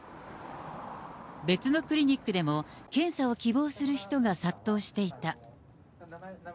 別のクリニックでも、検査を希望する人が殺到していた。